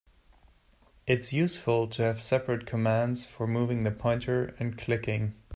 It's useful to have separate commands for moving the pointer and clicking.